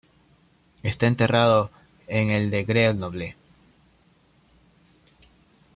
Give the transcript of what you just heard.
Está enterrado en el de Grenoble.